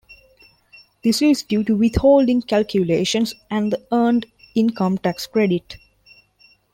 This is due to withholding calculations and the earned income tax credit.